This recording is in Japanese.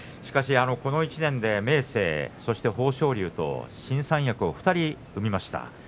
この１年で明生、そして豊昇龍と新三役２人生みました。